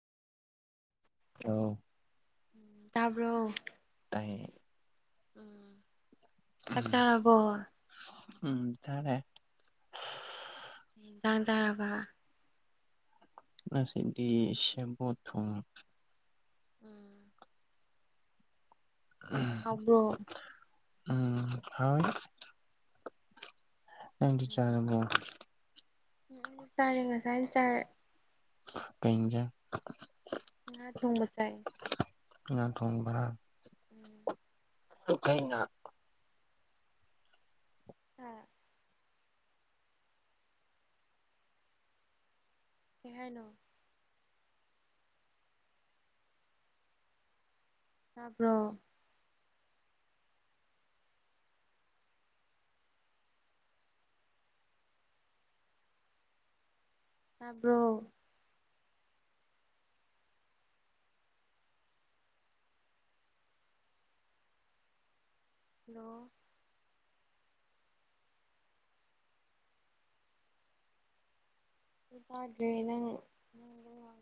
[unintelligible] ꯎꯝ ꯇꯥꯕ꯭ꯔꯣ ꯇꯥꯏ ꯎꯝ ꯆꯥꯛ ꯆꯔꯕꯣ ꯎꯝ ꯆꯥꯔꯦ ꯀꯩ ꯌꯦꯟꯁꯥꯡ ꯆꯥꯔꯕ ꯑꯁ ꯉꯁꯤꯗꯤ ꯁꯦꯕꯣꯠ ꯊꯣꯡꯉꯦ ꯎꯝ ꯍꯥꯎꯕ꯭ꯔꯣ [unintelligible] ꯎꯝ ꯍꯥꯎ ꯅꯪꯗꯤ ꯎꯝ ꯆꯥꯔꯕꯣ ꯆꯥꯔꯦ ꯉꯁꯥꯏꯅ ꯆꯥꯔꯦ ꯀꯩ ꯍꯦꯟꯖꯥꯡ ꯉꯥ ꯊꯣꯡꯕ ꯆꯥꯏ ꯉꯥ ꯊꯣꯡꯕ [inaudible] [unintelligible] [unintelligible] ꯀꯩ ꯍꯥꯏꯅꯣ ꯇꯥꯕ꯭ꯔꯣ ꯇꯥꯕ꯭ꯔꯣ [inaudible] ꯇꯥꯗ꯭ꯔꯦ ꯅꯪ [unintelligible]